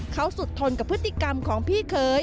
เขาสุดทนกับพฤติกรรมของพี่เคย